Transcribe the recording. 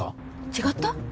違った？